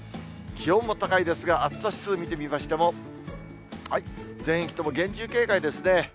気温も高いですが、暑さ指数見てみましても、全域とも厳重警戒ですね。